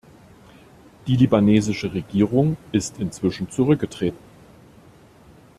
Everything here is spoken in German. Die libanesische Regierung ist inzwischen zurückgetreten.